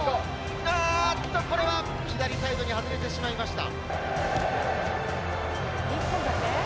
あーっと、これは左サイドに外れてしまいました。